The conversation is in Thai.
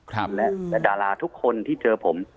แต่ดาราทุกคนที่เจอผม